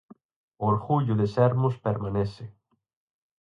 O orgullo de sermos permanece.